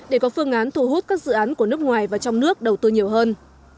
để có phương án thu hút các dự án của nước ngoài và trong nước đầu tư nhiều hơn